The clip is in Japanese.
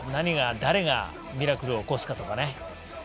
誰がミラクルを起こすかとかね。